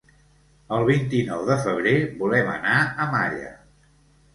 El vint-i-nou de febrer volem anar a Malla.